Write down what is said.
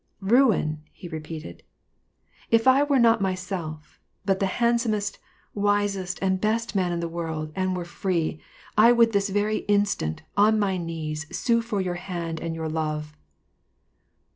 " Ruin !" he repeated ;" if I were not myself, but the hand )me«t, wisest, and best man in the world, and were free, I .^ould this very instant, on my knees, sue for your hand and ^ our love."